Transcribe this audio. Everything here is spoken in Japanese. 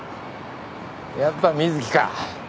やっぱ水木か。